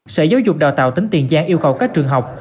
sở giáo dục đào tạo tỉnh tiền giang yêu cầu các trường học